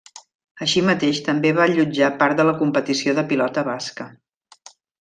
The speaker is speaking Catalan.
Així mateix també va allotjar part de la competició de pilota basca.